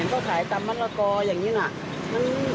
เห็นเขาขายตำมันละกออย่างนี้น่ะ